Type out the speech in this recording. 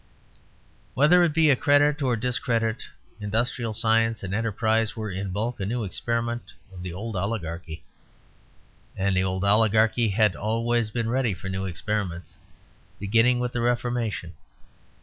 Whether it be a credit or discredit, industrial science and enterprise were in bulk a new experiment of the old oligarchy; and the old oligarchy had always been ready for new experiments beginning with the Reformation.